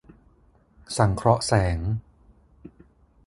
สังเคราะห์แสง